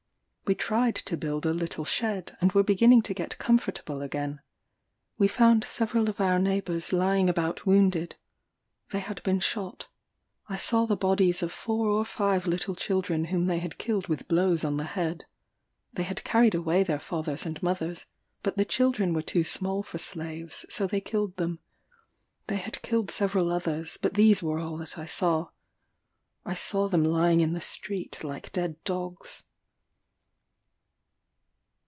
We tried to build a little shed, and were beginning to get comfortable again. We found several of our neighbours lying about wounded; they had been shot. I saw the bodies of four or five little children whom they had killed with blows on the head. They had carried away their fathers and mothers, but the children were too small for slaves, so they killed them. They had killed several others, but these were all that I saw. I saw them lying in the street like dead dogs.